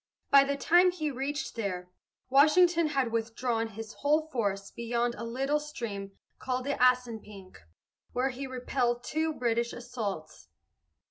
By the time he reached there, Washington had withdrawn his whole force beyond a little stream called the Assunpink, where he repelled two British assaults.